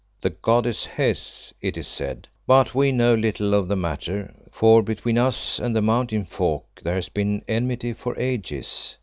"The goddess Hes, it is said; but we know little of the matter, for between us and the Mountain folk there has been enmity for ages.